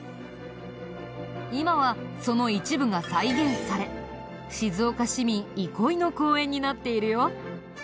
今はその一部が再現され静岡市民憩いの公園になっているよ。